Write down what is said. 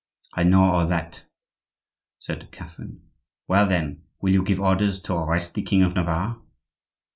"I know all that," said Catherine. "Well, then, will you give orders to arrest the king of Navarre?"